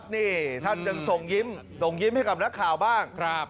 นี่ท่านยังส่งยิ้มส่งยิ้มให้กับนักข่าวบ้าง